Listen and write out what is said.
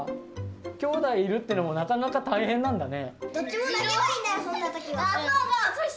きょうだいいるってのもなかなか大変なんだね。